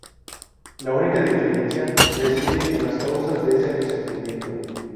La única diferencia reside en las causas de ese resentimiento.